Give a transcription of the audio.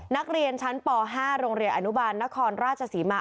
นักเรียนชั้นป๕โรงเรียนอนุบาลนครราชศรีมา